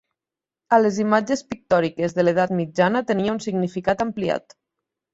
A les imatges pictòriques de l’edat mitjana tenia un significat ampliat.